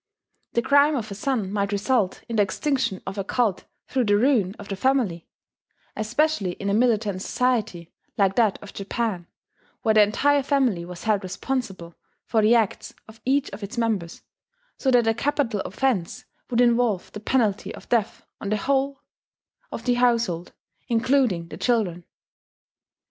The crime of a son might result in the extinction of a cult through the ruin of the family, especially in a militant society like that of Japan, where the entire family was held responsible for the acts of each of its members, so that a capital offence would involve the penalty of death on the whole of the household, including the children.